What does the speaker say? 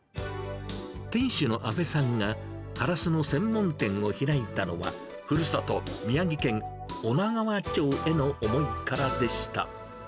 店主の阿部さんが、ハラスの専門店を開いたのは、ふるさと、宮城県女川町への思いからでした。